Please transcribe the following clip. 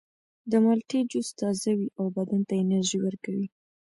د مالټې جوس تازه وي او بدن ته انرژي ورکوي.